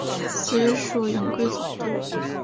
随署云贵总督。